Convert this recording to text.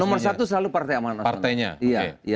nomor satu selalu partai amanat nasional